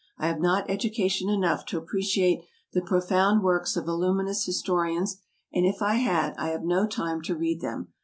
I have not education enough to appreciate the profound works of voluminous historians; and if I had, I have no time to read them.